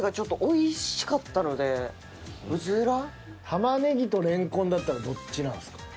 玉ネギとレンコンだったらどっちなんすかね？